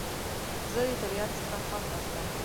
زه د طبیعت څخه خوند اخلم